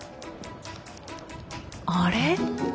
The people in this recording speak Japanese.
あれ？